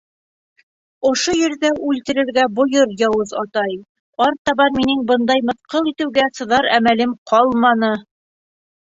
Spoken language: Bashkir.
Ошо ерҙә үлтерергә бойор, яуыз атай, артабан минең бындай мыҫҡыл итеүгә сыҙар әмәлем ҡалманы!